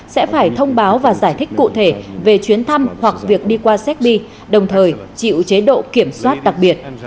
sẽ phải thông báo và giải thích cụ thể về chuyến thăm hoặc việc đi qua séc bi đồng thời chịu chế độ kiểm soát đặc biệt